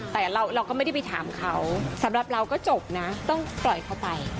แต่เราก็ไม่ได้ไปถามเขาสำหรับเราก็จบนะต้องปล่อยเขาไป